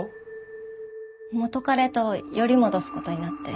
元彼とより戻すことになって。